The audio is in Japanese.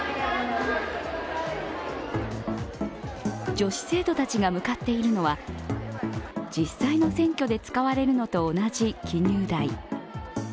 女子生徒たちが向かっているのは実際の選挙で使われるのと同じ記入台。